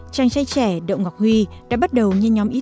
chàng trai trẻ đậu ngọc huy đã bắt đầu như nhóm y